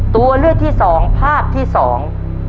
ตัวเลือกที่สองภาพที่สอง